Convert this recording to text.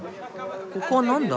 ここは何だ？